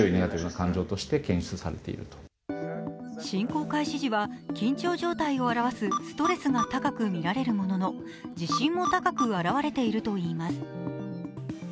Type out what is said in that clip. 侵攻開始時は緊張状態を表すストレスが高く見られるものの自信も高く現れているといいます。